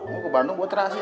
mau ke bandung buat rahasia